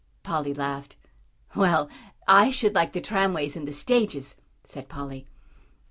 Polly laughed. "Well, I should like the tram ways and the stages," said Polly.